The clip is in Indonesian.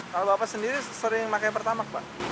kalau bapak sendiri sering pakai pertamak pak